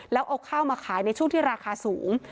แล้วเอาข้าวมาขายในช่วงที่ราคาสูง